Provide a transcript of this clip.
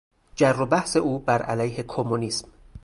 جر و بحث او بر علیه کمونیسم